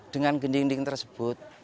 dengan gending gending tersebut